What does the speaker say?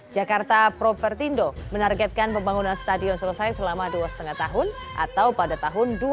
jakarta propertindo menargetkan pembangunan stadion selesai selama dua lima tahun atau pada tahun dua ribu dua puluh